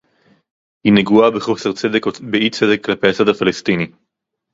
היא נגועה בחוסר צדק או באי-צדק כלפי הצד הפלסטיני